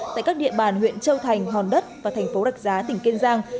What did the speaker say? tại các địa bàn huyện châu thành hòn đất và thành phố đạch giá tỉnh kiên giang